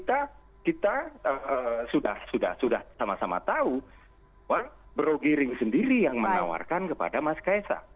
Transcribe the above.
dan kita sudah sama sama tahu brogy ring sendiri yang menawarkan kepada mas kaisang